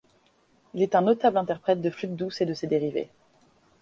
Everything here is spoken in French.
Il est un notable interprète de flûte douce et de ses dérivés.